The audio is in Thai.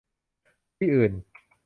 ที่อื่น